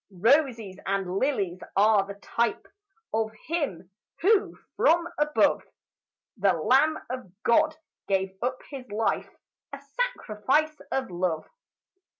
Roses and lilies are the type Of him who from above, The lamb of God, gave up his life, A sacrifice of love.